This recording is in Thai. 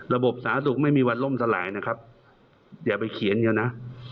สาธารณสุขไม่มีวันล่มสลายนะครับอย่าไปเขียนกันนะ